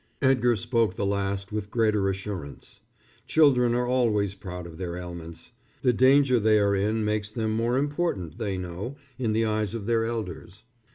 Edgar spoke the last with greater assurance. Children are always proud of their ailments. The danger they are in makes them more important, they know, in the eyes of their elders.